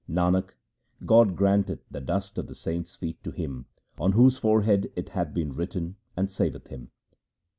Nanak, God granteth the dust of the saints' feet to him on whose forehead it hath been written, and saveth him.